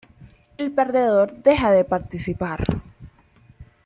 El perdedor deja de participar.